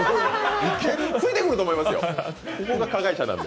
ついてくると思いますよ。